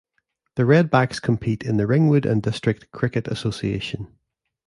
The Redbacks compete in the Ringwood and District Cricket Association.